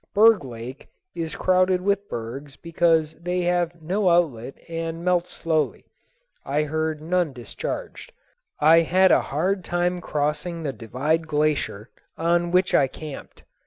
Berg Lake is crowded with bergs because they have no outlet and melt slowly. I heard none discharged. I had a hard time crossing the Divide Glacier, on which I camped.